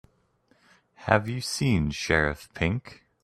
Have you seen Sheriff Pink?